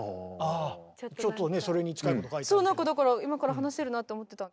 だから今から話せるなって思ってた。